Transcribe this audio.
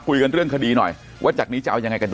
คุยกันเรื่องคดีหน่อยว่าจากนี้จะเอายังไงกันแ